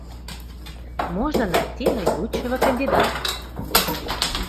Можно найти наилучшего кандидата